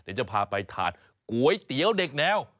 เดี๋ยวจะพาไปทานก๋วยเตี๋ยวเด็กแนว